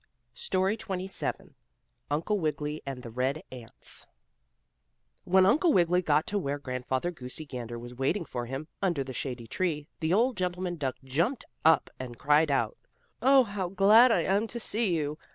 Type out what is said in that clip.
STORY XXVII UNCLE WIGGILY AND THE RED ANTS When Uncle Wiggily got to where Grandfather Goosey Gander was waiting for him, under the shady tree, the old gentleman duck jumped up and cried out: "Oh, how glad I am to see you!